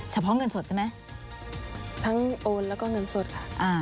เฉพาะเงินสดใช่ไหมทั้งโอนแล้วก็เงินสดค่ะ